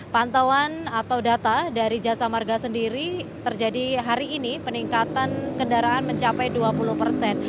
pantauan atau data dari jasa marga sendiri terjadi hari ini peningkatan kendaraan mencapai dua puluh persen